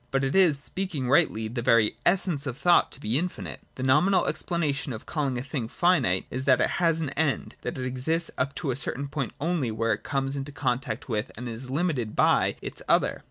But it is, speaking rightljr, the very essence of thought to be infinite. The nominal explanation of calling a thing finite is that it has an end, that it exists up to a certain point only, where it comes into contact with, and is limited by, its other.